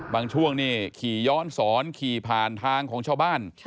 ช่วงนี่ขี่ย้อนสอนขี่ผ่านทางของชาวบ้าน